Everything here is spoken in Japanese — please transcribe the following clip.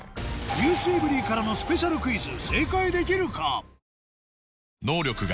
『ｎｅｗｓｅｖｅｒｙ．』からのスペシャルクイズ